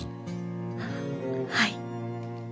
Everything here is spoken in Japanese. はい。